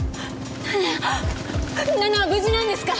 奈々は無事なんですか？